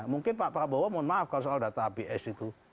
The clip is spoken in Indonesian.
mungkin pak prabowo mohon maaf kalau soal data abs itu